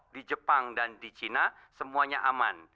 di jepang dan di china semuanya aman